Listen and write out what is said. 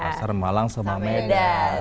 makassar malang sama medan